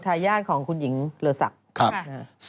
ทายาทของคุณหญิงเรือศักดิ์